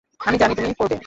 আমি জানি তুমি করবে।